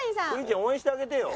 応援してあげてよ。